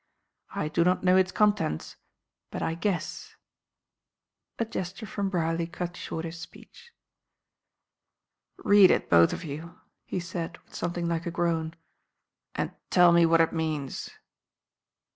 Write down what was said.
I do not know its contents but I guess." A gesture from Brierly cut short his speech. "Read it, both of you," he said, with something like a groan. "And tell me what it means."